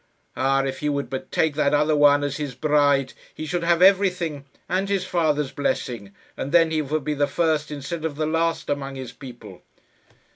Ah! if he would but take that other one as his bride, he should have everything, and his father's blessing and then he would be the first instead of the last among his people."